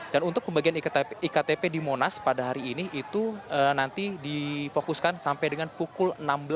dan untuk pembagian iktp di monas pada hari ini itu nanti difokuskan sampai dengan pukul enam belas